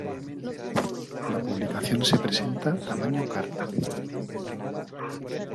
La publicación se presenta tamaño carta".